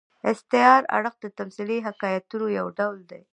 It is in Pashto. استعاري اړخ د تمثيلي حکایتونو یو ډول دئ.